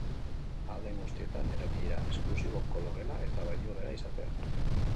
Ahal den guztietan, erabilera esklusiboko logela eta bainugela izatea.